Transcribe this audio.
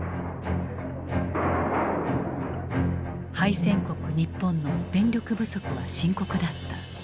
敗戦国日本の電力不足は深刻だった。